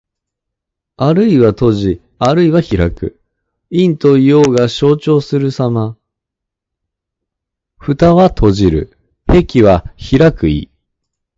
あるいは閉じ、あるいは開く。陰と陽が消長するさま。「闔」は閉じる。「闢」は開く意。